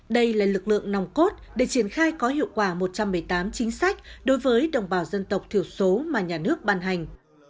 đây là lực lượng nòng cốt để triển khai có hiệu quả một trăm một mươi tám chính sách đối với đồng bào dân tộc thiểu số mà nhà nước ban hành